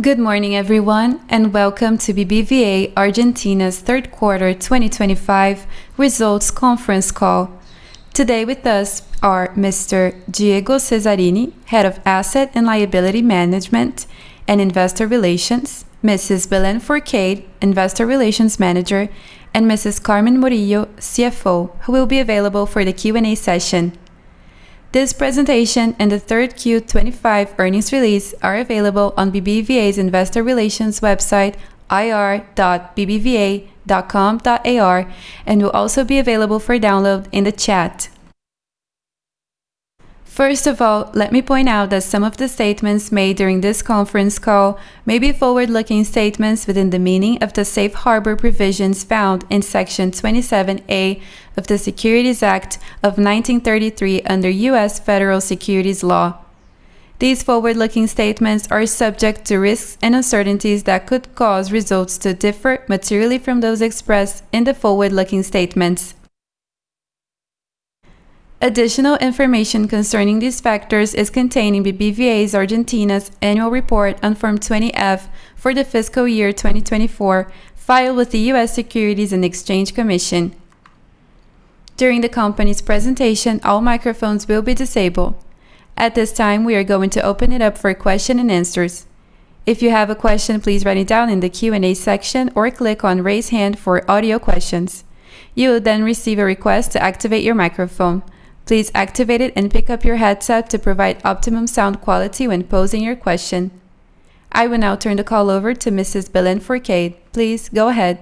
Good morning, everyone, and welcome to BBVA Argentina's third quarter 2025 results conference call. Today with us are Mr. Diego Cesarini, Head of Asset and Liability Management and Investor Relations; Mrs. Belén Fourcade, Investor Relations Manager; and Mrs. Carmen Morillo Arroyo, CFO, who will be available for the Q&A session. This presentation and the Third Q 2025 earnings release are available on BBVA's investor relations website, ir.bbva.com.ar, and will also be available for download in the chat. First of all, let me point out that some of the statements made during this conference call may be forward-looking statements within the meaning of the safe harbor provisions found in Section 27A of the Securities Act of 1933 under U.S. Federal Securities Law. These forward-looking statements are subject to risks and uncertainties that could cause results to differ materially from those expressed in the forward-looking statements. Additional information concerning these factors is contained in BBVA Argentina's Annual Report on Form 20-F for the fiscal year 2024, filed with the U.S. Securities and Exchange Commission. During the company's presentation, all microphones will be disabled. At this time, we are going to open it up for questions and answers. If you have a question, please write it down in the Q&A section or click on "Raise Hand" for audio questions. You will then receive a request to activate your microphone. Please activate it and pick up your headset to provide optimum sound quality when posing your question. I will now turn the call over to Mrs. Belén Fourcade. Please go ahead.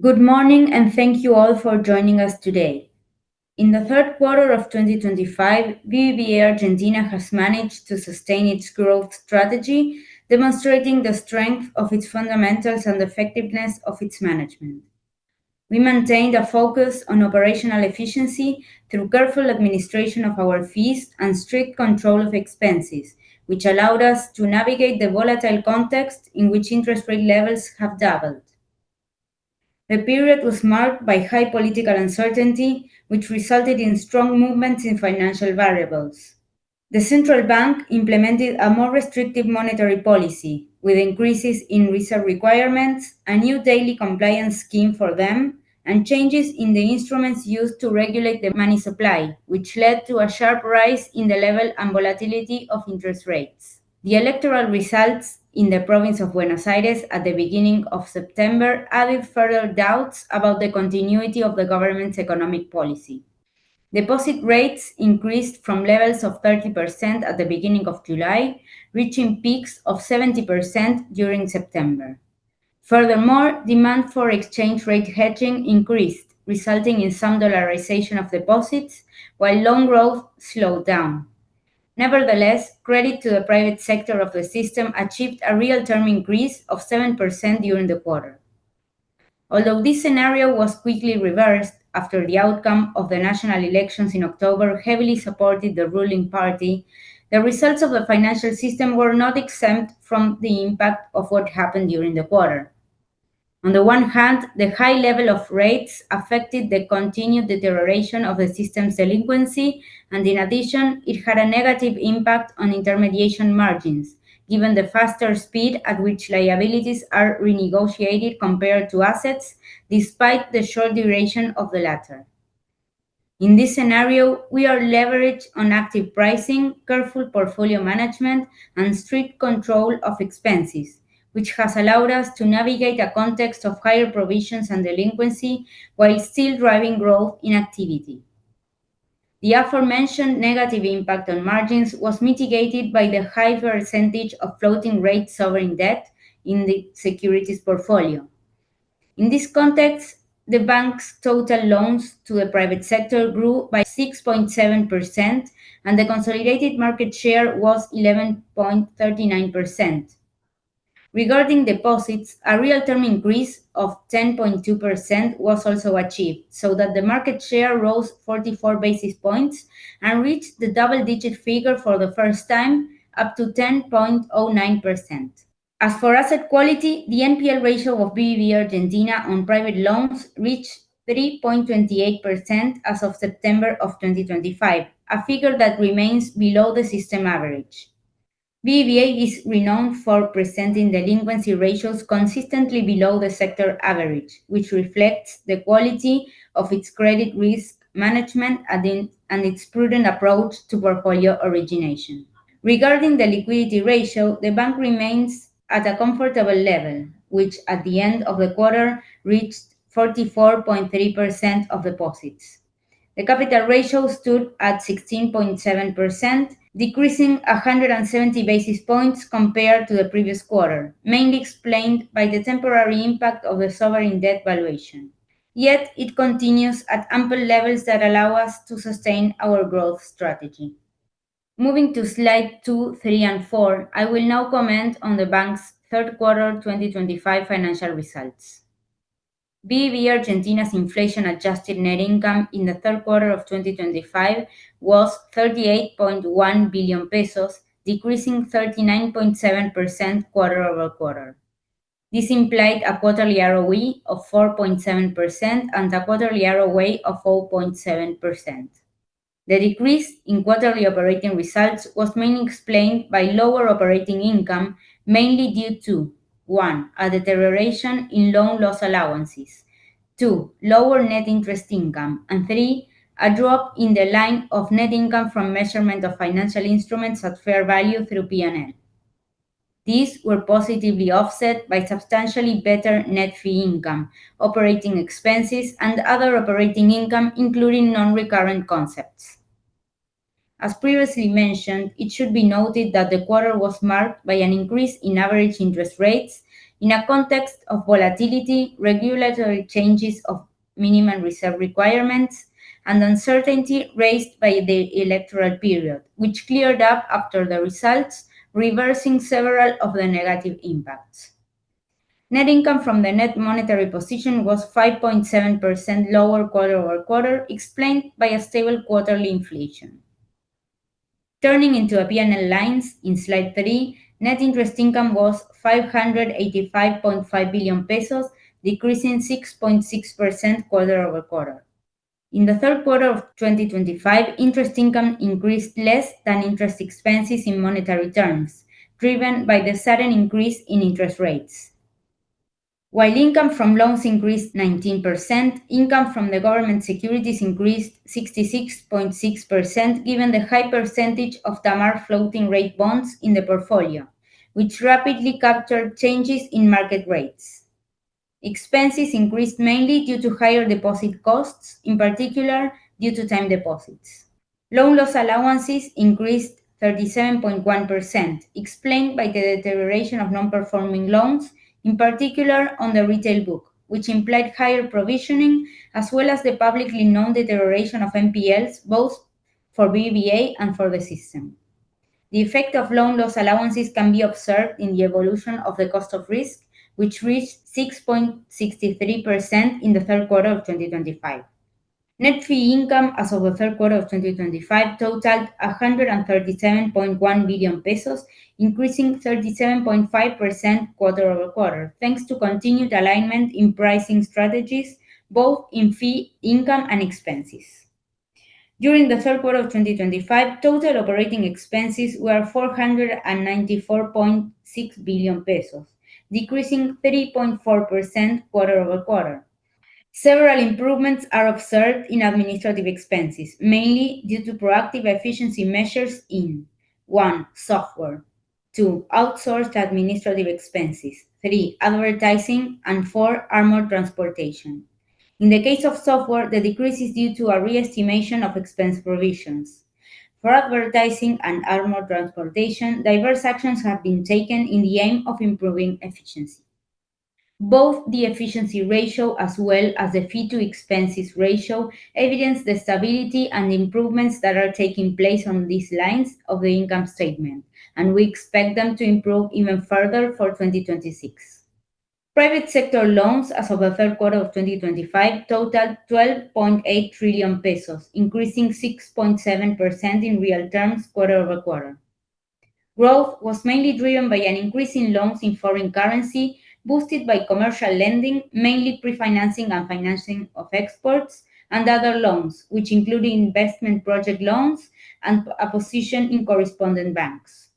Good morning, and thank you all for joining us today. In the third quarter of 2025, BBVA Argentina has managed to sustain its growth strategy, demonstrating the strength of its fundamentals and effectiveness of its management. We maintained a focus on operational efficiency through careful administration of our fees and strict control of expenses, which allowed us to navigate the volatile context in which interest rate levels have doubled. The period was marked by high political uncertainty, which resulted in strong movements in financial variables. The Central Bank implemented a more restrictive monetary policy, with increases in reserve requirements, a new daily compliance scheme for them, and changes in the instruments used to regulate the money supply, which led to a sharp rise in the level and volatility of interest rates. The electoral results in the province of Buenos Aires at the beginning of September added further doubts about the continuity of the government's economic policy. Deposit rates increased from levels of 30% at the beginning of July, reaching peaks of 70% during September. Furthermore, demand for exchange rate hedging increased, resulting in some dollarization of deposits, while loan growth slowed down. Nevertheless, credit to the private sector of the system achieved a real-term increase of 7% during the quarter. Although this scenario was quickly reversed after the outcome of the national elections in October heavily supported the ruling party, the results of the financial system were not exempt from the impact of what happened during the quarter. On the one hand, the high level of rates affected the continued deterioration of the system's delinquency, and in addition, it had a negative impact on intermediation margins, given the faster speed at which liabilities are renegotiated compared to assets, despite the short duration of the latter. In this scenario, we are leveraged on active pricing, careful portfolio management, and strict control of expenses, which has allowed us to navigate a context of higher provisions and delinquency while still driving growth in activity. The aforementioned negative impact on margins was mitigated by the high percentage of floating rate sovereign debt in the securities portfolio. In this context, the bank's total loans to the private sector grew by 6.7%, and the consolidated market share was 11.39%. Regarding deposits, a real-term increase of 10.2% was also achieved, so that the market share rose 44 basis points and reached the double-digit figure for the first time, up to 10.09%. As for asset quality, the NPL ratio of BBVA Argentina on private loans reached 3.28% as of September of 2025, a figure that remains below the system average. BBVA is renowned for presenting delinquency ratios consistently below the sector average, which reflects the quality of its credit risk management and its prudent approach to portfolio origination. Regarding the liquidity ratio, the bank remains at a comfortable level, which at the end of the quarter reached 44.3% of deposits. The capital ratio stood at 16.7%, decreasing 170 basis points compared to the previous quarter, mainly explained by the temporary impact of the sovereign debt valuation. Yet, it continues at ample levels that allow us to sustain our growth strategy. Moving to slide 2, 3, and 4, I will now comment on the bank's third quarter 2025 financial results. BBVA Argentina's inflation-adjusted net income in the third quarter of 2025 was 38.1 billion pesos, decreasing 39.7% quarter-over-quarter. This implied a quarterly ROE of 4.7% and a quarterly ROA of 4.7%. The decrease in quarterly operating results was mainly explained by lower operating income, mainly due to: 1) a deterioration in loan loss allowances, 2) lower net interest income, and 3) a drop in the line of net income from measurement of financial instruments at fair value through P&L. These were positively offset by substantially better net fee income, operating expenses, and other operating income, including non-recurrent concepts. As previously mentioned, it should be noted that the quarter was marked by an increase in average interest rates in a context of volatility, regulatory changes of minimum reserve requirements, and uncertainty raised by the electoral period, which cleared up after the results, reversing several of the negative impacts. Net income from the net monetary position was 5.7% lower quarter-over-quarter, explained by a stable quarterly inflation. Turning into a P&L line, in slide 3, net interest income was 585.5 billion pesos, decreasing 6.6% quarter-over-quarter. In the third quarter of 2025, interest income increased less than interest expenses in monetary terms, driven by the sudden increase in interest rates. While income from loans increased 19%, income from the government securities increased 66.6%, given the high percentage of TAMAR floating rate bonds in the portfolio, which rapidly captured changes in market rates. Expenses increased mainly due to higher deposit costs, in particular due to time deposits. Loan loss allowances increased 37.1%, explained by the deterioration of non-performing loans, in particular on the retail book, which implied higher provisioning, as well as the publicly known deterioration of NPLs, both for BBVA and for the system. The effect of loan loss allowances can be observed in the evolution of the cost of risk, which reached 6.63% in the third quarter of 2025. Net fee income as of the third quarter of 2025 totaled 137.1 billion pesos, increasing 37.5% quarter-over-quarter, thanks to continued alignment in pricing strategies, both in fee income and expenses. During the third quarter of 2025, total operating expenses were 494.6 billion pesos, decreasing 3.4% quarter-over-quarter. Several improvements are observed in administrative expenses, mainly due to proactive efficiency measures in: 1) software, 2) outsourced administrative expenses, 3) advertising, and 4) armored transportation. In the case of software, the decrease is due to a re-estimation of expense provisions. For advertising and armored transportation, diverse actions have been taken in the aim of improving efficiency. Both the efficiency ratio, as well as the fee-to-expenses ratio, evidence the stability and improvements that are taking place on these lines of the income statement, and we expect them to improve even further for 2026. Private sector loans as of the third quarter of 2025 totaled 12.8 trillion pesos, increasing 6.7% in real terms quarter-over-quarter. Growth was mainly driven by an increase in loans in foreign currency, boosted by commercial lending, mainly pre-financing and financing of exports, and other loans, which included investment project loans and a position in correspondent banks.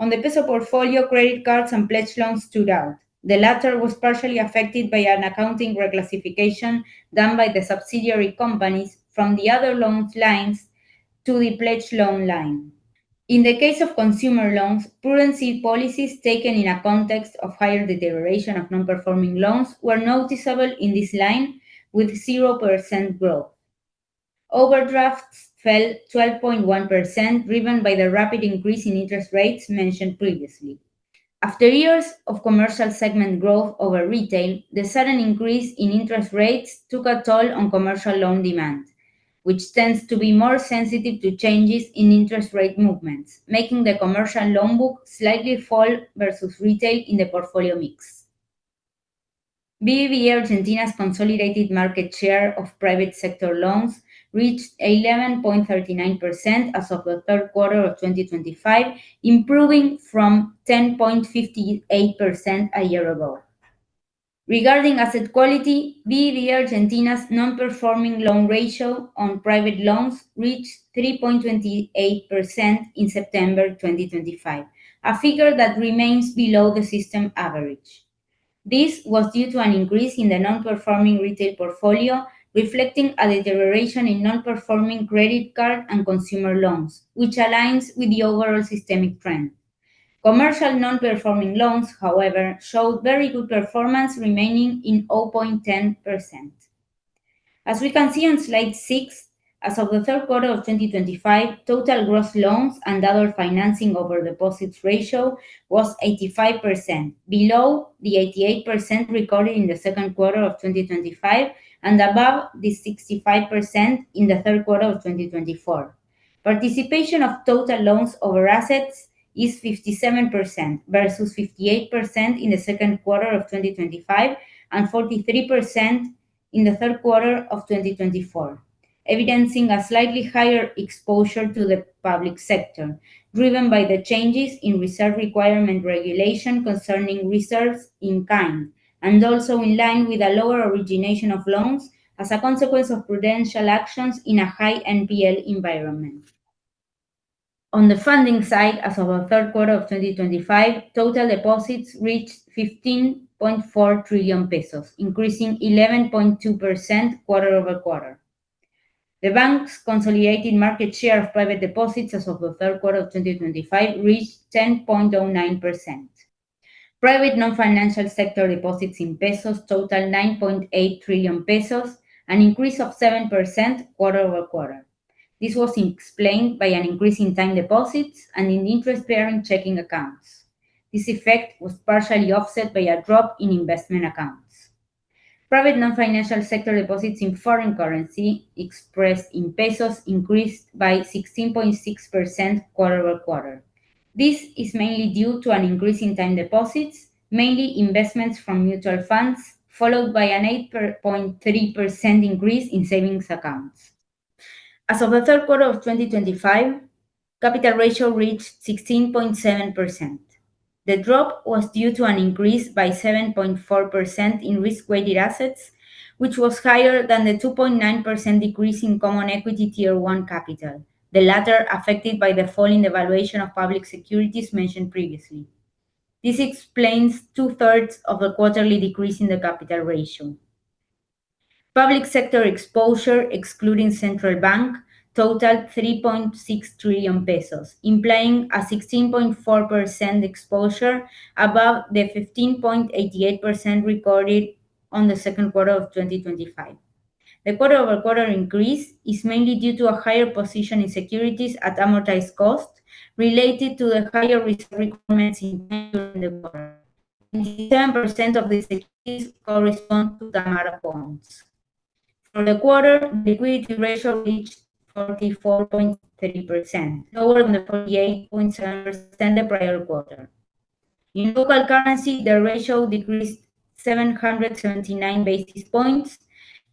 On the peso portfolio, credit cards and pledge loans stood out. The latter was partially affected by an accounting reclassification done by the subsidiary companies from the other loan lines to the pledge loan line. In the case of consumer loans, prudency policies taken in a context of higher deterioration of non-performing loans were noticeable in this line, with 0% growth. Overdrafts fell 12.1%, driven by the rapid increase in interest rates mentioned previously. After years of commercial segment growth over retail, the sudden increase in interest rates took a toll on commercial loan demand, which tends to be more sensitive to changes in interest rate movements, making the commercial loan book slightly fall versus retail in the portfolio mix. BBVA Argentina's consolidated market share of private sector loans reached 11.39% as of the third quarter of 2025, improving from 10.58% a year ago. Regarding asset quality, BBVA Argentina's non-performing loan ratio on private loans reached 3.28% in September 2025, a figure that remains below the system average. This was due to an increase in the non-performing retail portfolio, reflecting a deterioration in non-performing credit card and consumer loans, which aligns with the overall systemic trend. Commercial non-performing loans, however, showed very good performance, remaining in 0.10%. As we can see on slide 6, as of the third quarter of 2025, total gross loans and other financing over deposits ratio was 85%, below the 88% recorded in the second quarter of 2025 and above the 65% in the third quarter of 2024. Participation of total loans over assets is 57% versus 58% in the second quarter of 2025 and 43% in the third quarter of 2024, evidencing a slightly higher exposure to the public sector, driven by the changes in reserve requirement regulation concerning reserves in kind, and also in line with a lower origination of loans as a consequence of prudential actions in a high NPL environment. On the funding side, as of the third quarter of 2025, total deposits reached 15.4 trillion pesos, increasing 11.2% quarter-over-quarter. The bank's consolidated market share of private deposits as of the third quarter of 2025 reached 10.09%. Private non-financial sector deposits in pesos totaled 9.8 trillion pesos, an increase of 7% quarter-over-quarter. This was explained by an increase in time deposits and in interest-bearing checking accounts. This effect was partially offset by a drop in investment accounts. Private non-financial sector deposits in foreign currency, expressed in pesos, increased by 16.6% quarter-over-quarter. This is mainly due to an increase in time deposits, mainly investments from mutual funds, followed by an 8.3% increase in savings accounts. As of the third quarter of 2025, capital ratio reached 16.7%. The drop was due to an increase by 7.4% in risk-weighted assets, which was higher than the 2.9% decrease in Common Equity Tier 1 capital, the latter affected by the fall in the valuation of public securities mentioned previously. This explains two-thirds of the quarterly decrease in the capital ratio. Public sector exposure, excluding Central Bank, totaled 3.6 trillion pesos, implying a 16.4% exposure above the 15.88% recorded on the second quarter of 2025. The quarter-over-quarter increase is mainly due to a higher position in securities at amortized cost, related to the higher reserve requirements in the quarter. 97% of this increase corresponds to TAMAR bonds. For the quarter, the liquidity ratio reached 44.3%, lower than the 48.7% the prior quarter. In local currency, the ratio decreased 779 basis points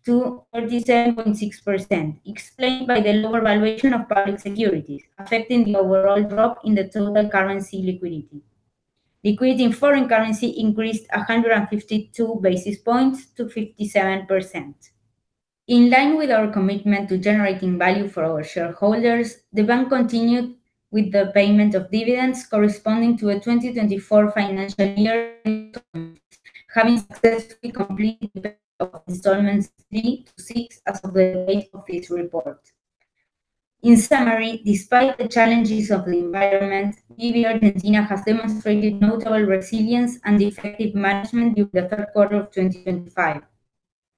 to 37.6%, explained by the lower valuation of public securities, affecting the overall drop in the total currency liquidity. Liquidity in foreign currency increased 152 basis points to 57%. In line with our commitment to generating value for our shareholders, the bank continued with the payment of dividends corresponding to a 2024 financial year income, having successfully completed the installment 3 to 6 as of the date of this report. In summary, despite the challenges of the environment, BBVA Argentina has demonstrated notable resilience and effective management during the third quarter of 2025.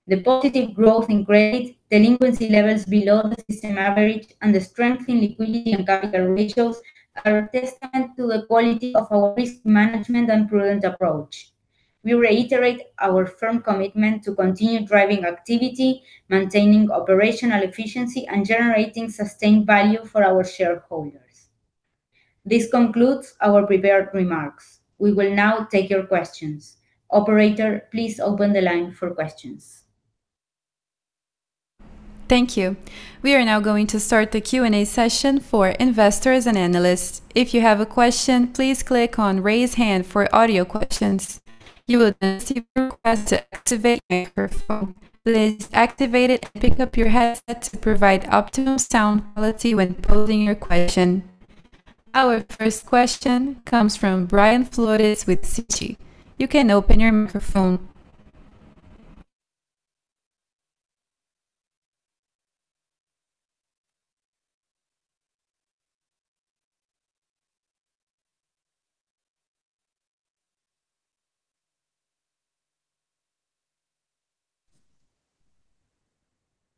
The positive growth in credit, delinquency levels below the system average, and the strength in liquidity and capital ratios are a testament to the quality of our risk management and prudent approach. We reiterate our firm commitment to continue driving activity, maintaining operational efficiency, and generating sustained value for our shareholders. This concludes our prepared remarks. We will now take your questions. Operator, please open the line for questions. Thank you. We are now going to start the Q&A session for investors and analysts. If you have a question, please click on "Raise Hand" for audio questions. You will then see a request to activate your microphone. Please activate it and pick up your headset to provide optimum sound quality when posing your question. Our first question comes from Brian Flores with Citi. You can open your microphone.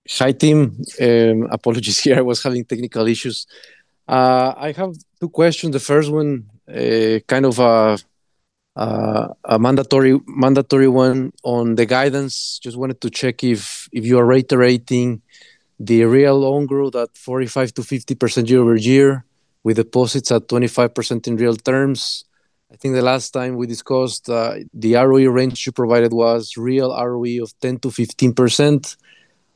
Hi team, apologies here. I was having technical issues. I have two questions. The first one, kind of a mandatory one on the guidance. Just wanted to check if you are reiterating the real loan growth at 45%-50% year-over-year with deposits at 25% in real terms. I think the last time we discussed, the ROE range you provided was real ROE of 10%-15%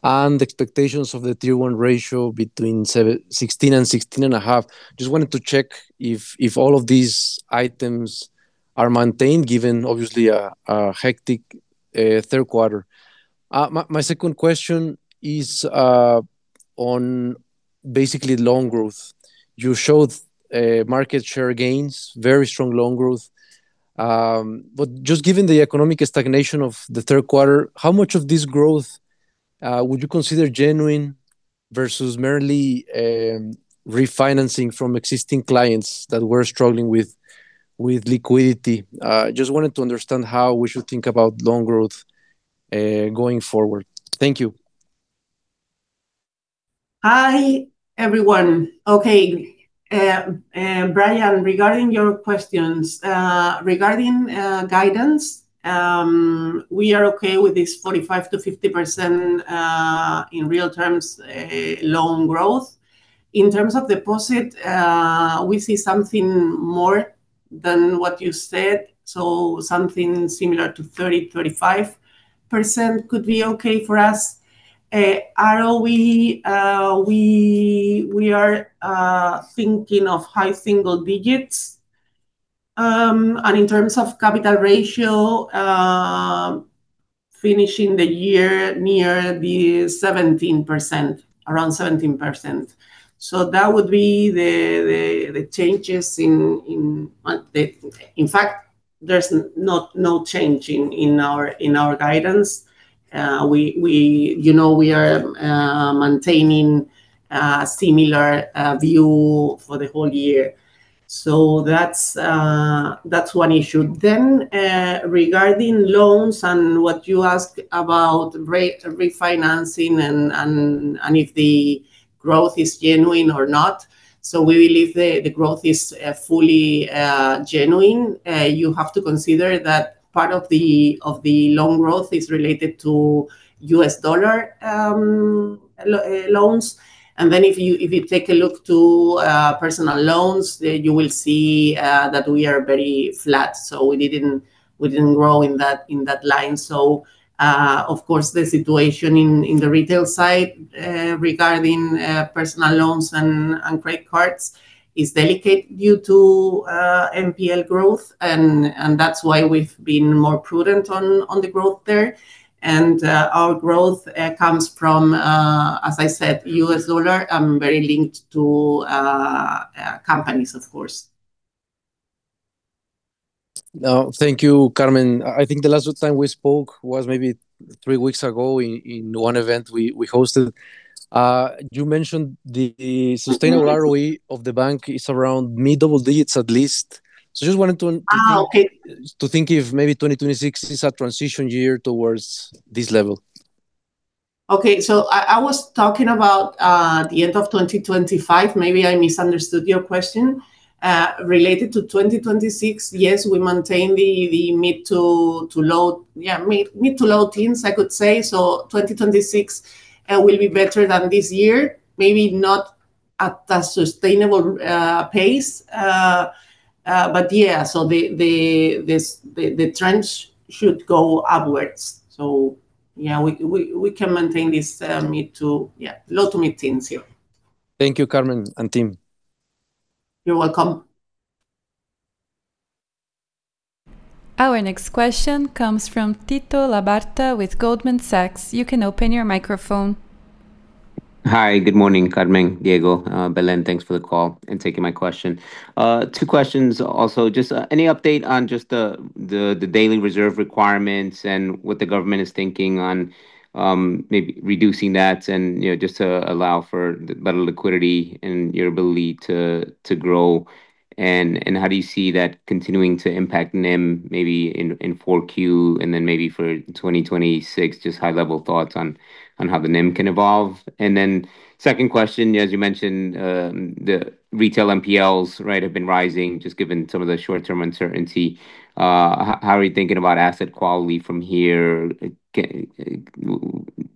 and expectations of the tier 1 ratio between 16% and 16.5%. Just wanted to check if all of these items are maintained, given obviously a hectic third quarter. My second question is on basically loan growth. You showed market share gains, very strong loan growth. Just given the economic stagnation of the third quarter, how much of this growth would you consider genuine versus merely refinancing from existing clients that were struggling with liquidity? Just wanted to understand how we should think about loan growth going forward. Thank you. Hi, everyone. Okay, Brian, regarding your questions regarding guidance, we are okay with this 45%-50% in real terms loan growth. In terms of deposit, we see something more than what you said, so something similar to 30%-35% could be okay for us. ROE, we are thinking of high single digits. In terms of capital ratio, finishing the year near the 17%, around 17%. That would be the changes in, in fact, there is no change in our guidance. We are maintaining a similar view for the whole year. That is one issue. Regarding loans and what you asked about refinancing and if the growth is genuine or not, we believe the growth is fully genuine. You have to consider that part of the loan growth is related to US dollar loans. If you take a look to personal loans, you will see that we are very flat. We did not grow in that line. Of course, the situation in the retail side regarding personal loans and credit cards is delicate due to NPL growth. That is why we have been more prudent on the growth there. Our growth comes from, as I said, US dollar and very linked to companies, of course. Thank you, Carmen. I think the last time we spoke was maybe three weeks ago in one event we hosted. You mentioned the sustainable ROE of the bank is around mid-double digits at least. Just wanted to think if maybe 2026 is a transition year towards this level. Okay, I was talking about the end of 2025. Maybe I misunderstood your question. Related to 2026, yes, we maintain the mid to low, yeah, mid to low teens, I could say. 2026 will be better than this year, maybe not at a sustainable pace. The trend should go upwards. We can maintain this mid to, yeah, low to mid teens here. Thank you, Carmen and team. You're welcome. Our next question comes from Tito Labarta with Goldman Sachs. You can open your microphone. Hi, good morning, Carmen, Diego, Belén. Thanks for the call and taking my question. Two questions also. Just any update on just the daily reserve requirements and what the government is thinking on maybe reducing that and just to allow for better liquidity and your ability to grow? How do you see that continuing to impact NIM maybe in 4Q and then maybe for 2026, just high-level thoughts on how the NIM can evolve? Second question, as you mentioned, the retail NPLs, right, have been rising, just given some of the short-term uncertainty. How are you thinking about asset quality from here? Do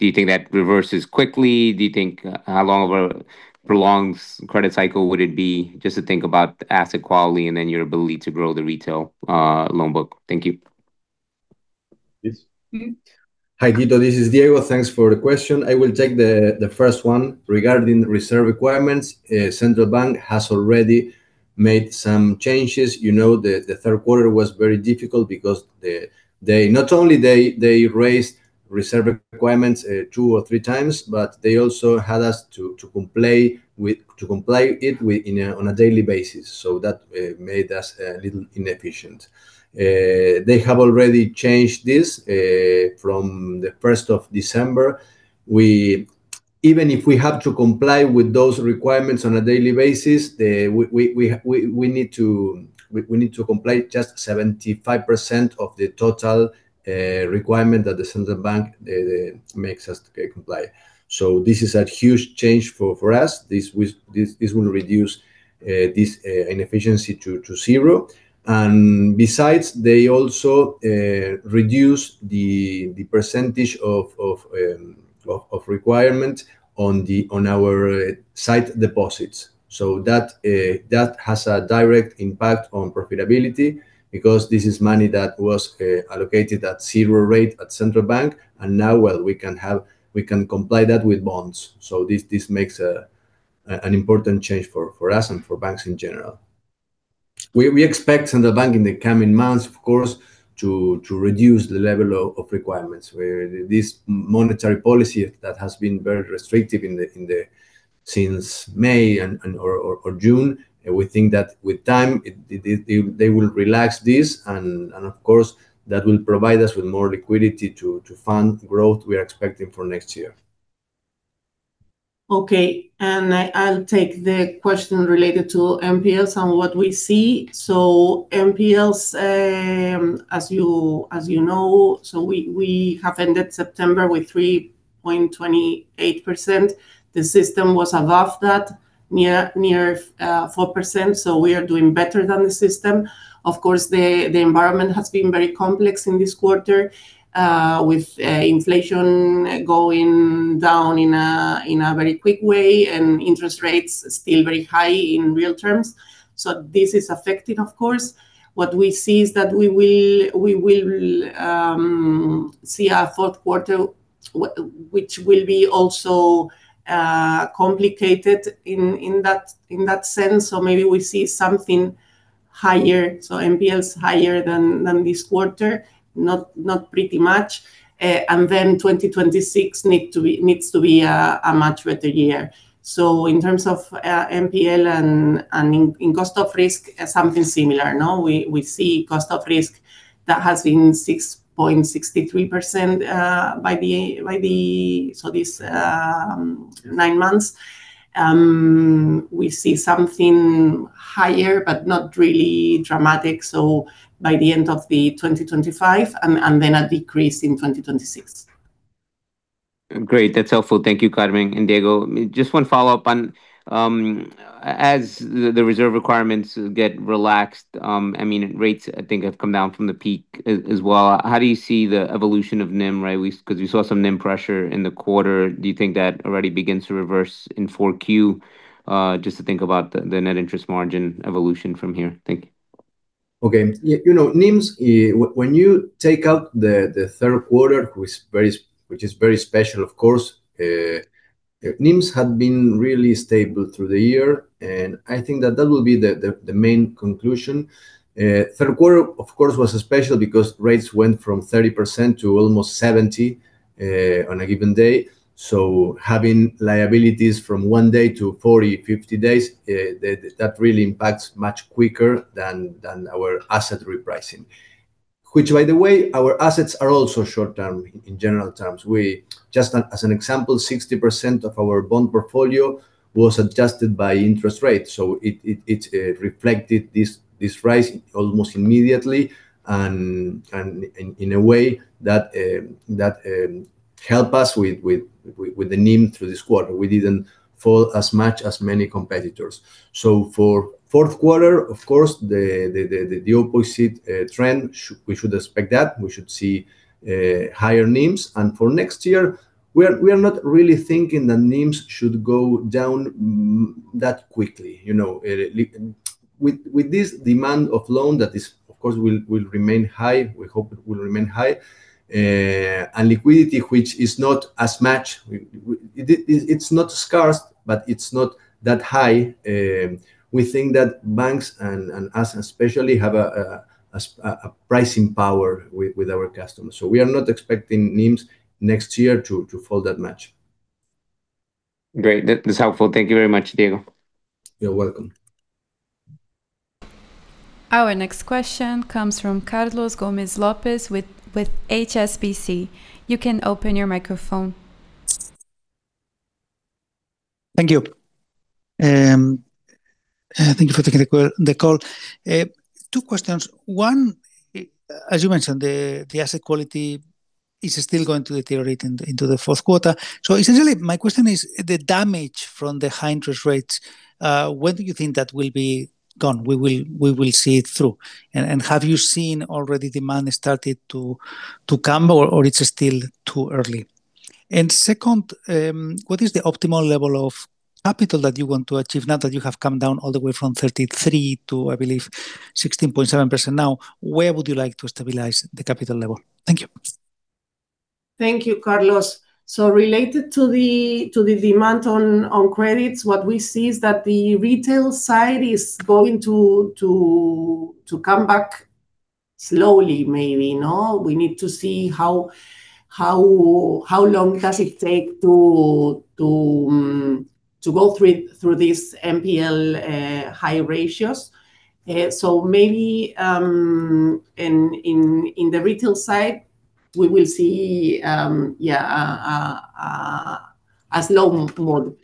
you think that reverses quickly? Do you think how long of a prolonged credit cycle would it be just to think about asset quality and then your ability to grow the retail loan book? Thank you. Yes. Hi, Tito. This is Diego. Thanks for the question. I will take the first one regarding reserve requirements. Central Bank has already made some changes. You know, the third quarter was very difficult because not only did they raise reserve requirements two or three times, but they also had us comply with it on a daily basis. That made us a little inefficient. They have already changed this from the 1st of December. Even if we have to comply with those requirements on a daily basis, we need to comply with just 75% of the total requirement that the Central Bank makes us comply with. This is a huge change for us. This will reduce this inefficiency to zero. Besides, they also reduced the percentage of requirements on our sight deposits. That has a direct impact on profitability because this is money that was allocated at zero rate at Central Bank. Now, we can comply with that with bonds. This makes an important change for us and for banks in general. We expect Central Bank in the coming months, of course, to reduce the level of requirements. This monetary policy that has been very restrictive since May or June, we think that with time, they will relax this. Of course, that will provide us with more liquidity to fund growth we are expecting for next year. Okay. I'll take the question related to NPLs and what we see. NPLs, as you know, we have ended September with 3.28%. The system was above that, near 4%. We are doing better than the system. The environment has been very complex in this quarter with inflation going down in a very quick way and interest rates still very high in real terms. This is affected, of course. What we see is that we will see a fourth quarter, which will be also complicated in that sense. Maybe we see something higher. MPLs higher than this quarter, not pretty much. Then 2026 needs to be a much better year. In terms of MPL and in cost of risk, something similar. We see cost of risk that has been 6.63% by the, so these nine months. We see something higher, but not really dramatic. By the end of 2025 and then a decrease in 2026. Great. That's helpful. Thank you, Carmen and Diego. Just one follow-up on, as the reserve requirements get relaxed, I mean, rates, I think, have come down from the peak as well. How do you see the evolution of NIM, right? Because we saw some NIM pressure in the quarter. Do you think that already begins to reverse in 4Q? Just to think about the net interest margin evolution from here. Thank you. Okay. You know, NIMs, when you take out the third quarter, which is very special, of course, NIMs had been really stable through the year. I think that that will be the main conclusion. Third quarter, of course, was special because rates went from 30% to almost 70% on a given day. Having liabilities from one day to 40-50 days, that really impacts much quicker than our asset repricing, which, by the way, our assets are also short-term in general terms. Just as an example, 60% of our bond portfolio was adjusted by interest rate. It reflected this rise almost immediately and in a way that helped us with the NIM through this quarter. We did not fall as much as many competitors. For fourth quarter, of course, the opposite trend, we should expect that. We should see higher NIMs. And for next year, we are not really thinking that NIMs should go down that quickly. With this demand of loan that is, of course, will remain high, we hope it will remain high. And liquidity, which is not as much, it's not scarce, but it's not that high. We think that banks and us especially have a pricing power with our customers. So we are not expecting NIMs next year to fall that much. Great. That's helpful. Thank you very much, Diego. You're welcome. Our next question comes from Carlos Gomez-Lopez with HSBC. You can open your microphone. Thank you. Thank you for taking the call. Two questions. One, as you mentioned, the asset quality is still going to deteriorate into the fourth quarter. Essentially, my question is the damage from the high interest rates. When do you think that will be gone? We will see it through. Have you seen already demand started to come or it's still too early? Second, what is the optimal level of capital that you want to achieve now that you have come down all the way from 33% to, I believe, 16.7% now? Where would you like to stabilize the capital level? Thank you. Thank you, Carlos. Related to the demand on credits, what we see is that the retail side is going to come back slowly, maybe. We need to see how long does it take to go through these NPL high ratios. Maybe in the retail side, we will see, yeah, a slow move.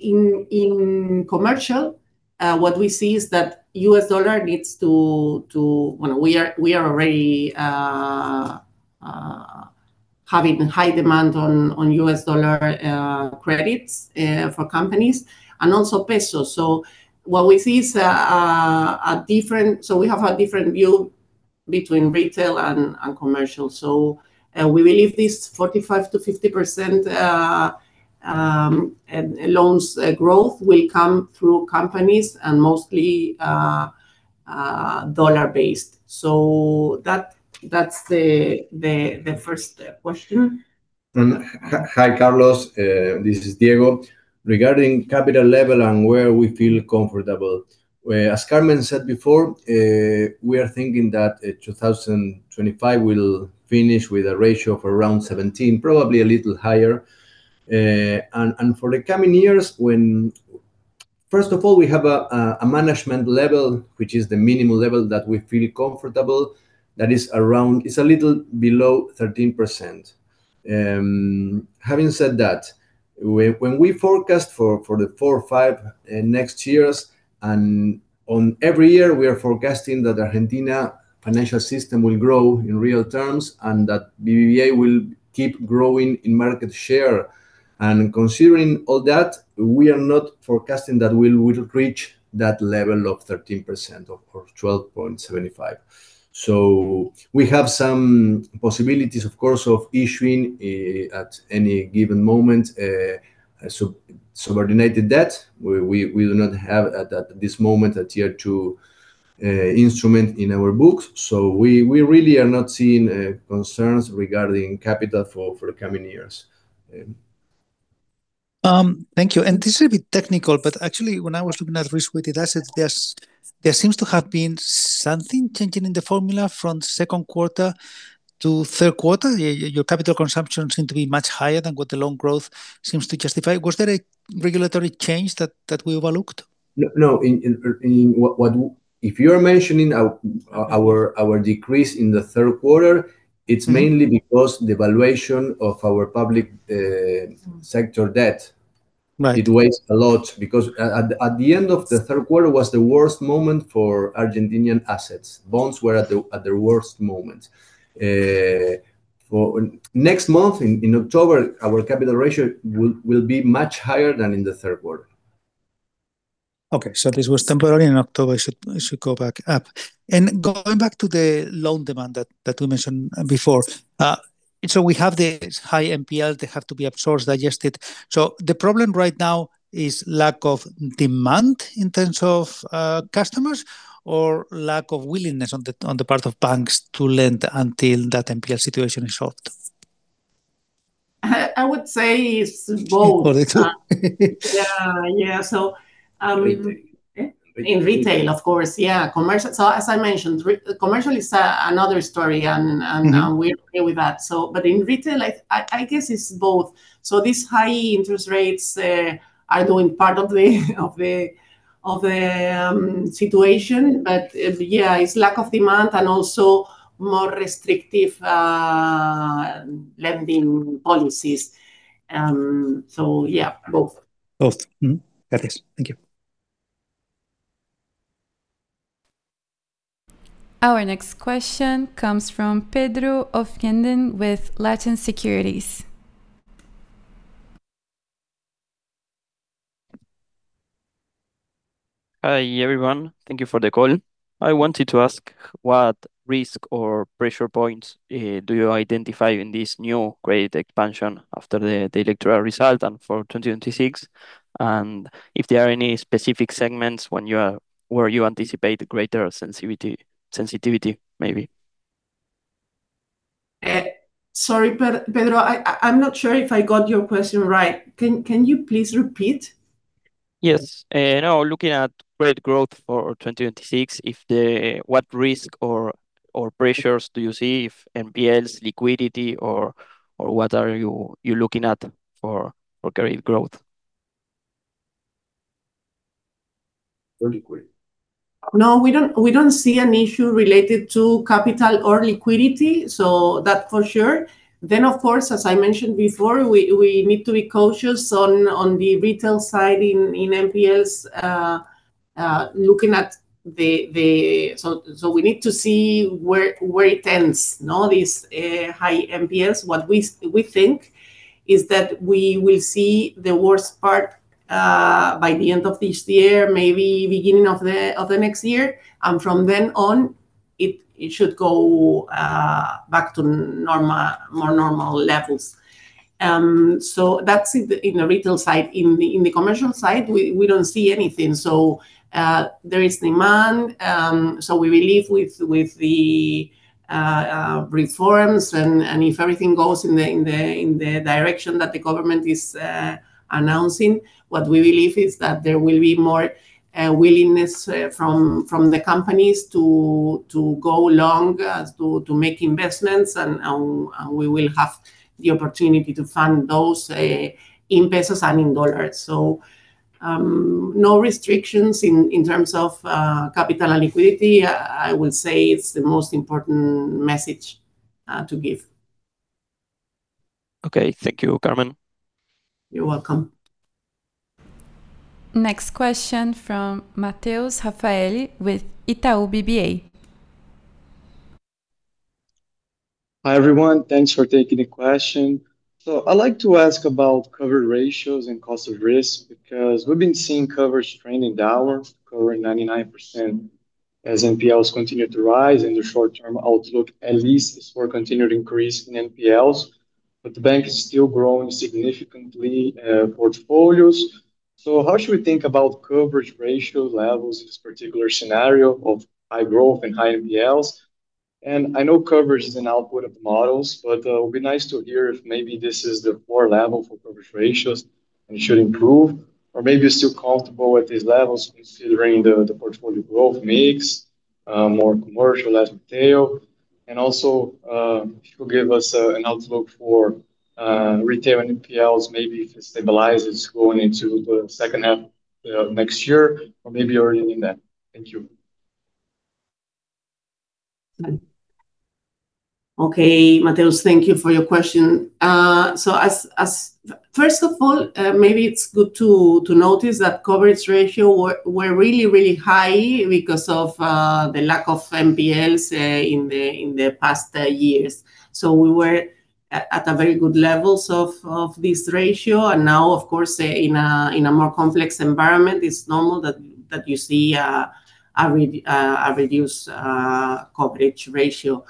In commercial, what we see is that US dollar needs to, when we are already having high demand on US dollar credits for companies and also pesos. What we see is a different, we have a different view between retail and commercial. We believe this 45%-50% loans growth will come through companies and mostly dollar-based. That's the first question. Hi, Carlos. This is Diego. Regarding capital level and where we feel comfortable, as Carmen said before, we are thinking that 2025 will finish with a ratio of around 17%, probably a little higher. For the coming years, first of all, we have a management level, which is the minimum level that we feel comfortable, that is around, it's a little below 13%. Having said that, when we forecast for the four, five next years, and on every year, we are forecasting that Argentina financial system will grow in real terms and that BBVA will keep growing in market share. Considering all that, we are not forecasting that we will reach that level of 13% or 12.75%. We have some possibilities, of course, of issuing at any given moment subordinated debt. We do not have at this moment a tier two instrument in our books. We really are not seeing concerns regarding capital for the coming years. Thank you. This is a bit technical, but actually, when I was looking at risk with the assets, there seems to have been something changing in the formula from second quarter to third quarter. Your capital consumption seemed to be much higher than what the loan growth seems to justify. Was there a regulatory change that we overlooked? No, no. If you are mentioning our decrease in the third quarter, it's mainly because the valuation of our public sector debt, it weighs a lot because at the end of the third quarter was the worst moment for Argentinian assets. Bonds were at their worst moment. Next month, in October, our capital ratio will be much higher than in the third quarter. Okay. This was temporary in October. It should go back up. Going back to the loan demand that we mentioned before, we have the high NPL that have to be absorbed, digested. The problem right now is lack of demand in terms of customers or lack of willingness on the part of banks to lend until that NPL situation is solved? I would say it's both. Yeah, yeah. In retail, of course, yeah. As I mentioned, commercial is another story and we're okay with that. In retail, I guess it's both. These high interest rates are doing part of the situation, but yeah, it's lack of demand and also more restrictive lending policies. Yeah, both. Both. Thank you. Our next question comes from Pedro Offenhenden with Latin Securities. Hi everyone. Thank you for the call. I wanted to ask what risk or pressure points do you identify in this new credit expansion after the electoral result and for 2026? If there are any specific segments where you anticipate greater sensitivity, maybe. Sorry, Pedro. I'm not sure if I got your question right. Can you please repeat? Yes. Now, looking at credit growth for 2026, what risk or pressures do you see if NPLs, liquidity, or what are you looking at for credit growth? No, we don't see an issue related to capital or liquidity. That for sure. Of course, as I mentioned before, we need to be cautious on the retail side in NPLs, looking at the, so we need to see where it ends, these high NPLs. What we think is that we will see the worst part by the end of this year, maybe beginning of the next year. From then on, it should go back to more normal levels. That is it in the retail side. In the commercial side, we don't see anything. There is demand. We believe with the reforms and if everything goes in the direction that the government is announcing, what we believe is that there will be more willingness from the companies to go long, to make investments, and we will have the opportunity to fund those in pesos and in dollars. No restrictions in terms of capital and liquidity. I would say it's the most important message to give. Okay. Thank you, Carmen. You're welcome. Next question from Mateus Rafaeli with Itaú BBA. Hi everyone. Thanks for taking the question. I'd like to ask about cover ratios and cost of risk because we've been seeing coverage trending downward, covering 99% as NPLs continue to rise in the short-term outlook, at least for continued increase in NPLs. The bank is still growing significantly portfolios. How should we think about coverage ratio levels in this particular scenario of high growth and high NPLs? I know coverage is an output of the models, but it would be nice to hear if maybe this is the core level for coverage ratios and it should improve. Or maybe you're still comfortable at these levels considering the portfolio growth mix, more commercial, less retail. Also, if you could give us an outlook for retail and NPLs, maybe if it stabilizes going into the second half of next year or maybe already in that. Thank you. Okay, Mateus, thank you for your question. First of all, maybe it's good to notice that coverage ratio were really, really high because of the lack of NPLs in the past years. We were at a very good level of this ratio. Of course, in a more complex environment, it's normal that you see a reduced coverage ratio.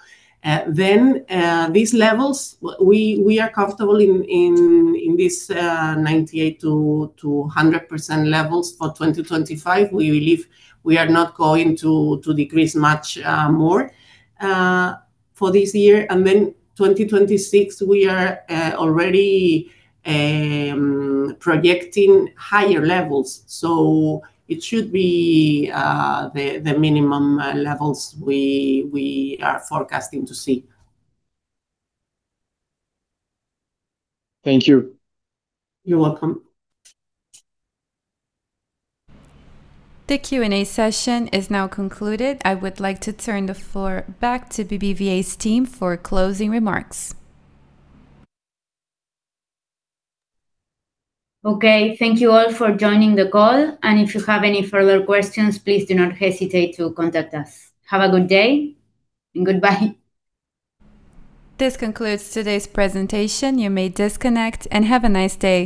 These levels, we are comfortable in these 98%-100% levels for 2025. We believe we are not going to decrease much more for this year. In 2026, we are already projecting higher levels. It should be the minimum levels we are forecasting to see. Thank you. You're welcome. The Q&A session is now concluded. I would like to turn the floor back to BBVA's team for closing remarks. Thank you all for joining the call. If you have any further questions, please do not hesitate to contact us. Have a good day and goodbye. This concludes today's presentation. You may disconnect and have a nice day.